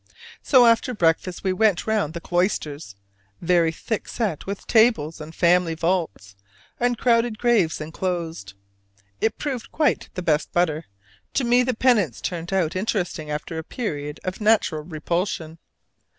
So after breakfast we went round the cloisters, very thick set with tablets and family vaults, and crowded graves inclosed. It proved quite "the best butter." To me the penance turned out interesting after a period of natural repulsion.